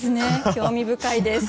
興味深いです。